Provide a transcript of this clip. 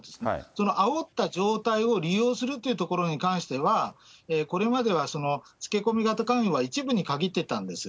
そのあおった状態を利用するということに関しては、これまではつけ込み型勧誘は一部に限っていたんです。